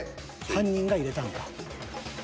犯人が入れたのか。